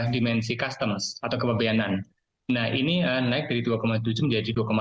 dimensi customs atau kebebanan ini naik dari dua tujuh menjadi dua delapan